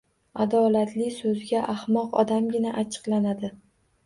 Adolatli soʻzga ahmoq odamgina achchiqlanadi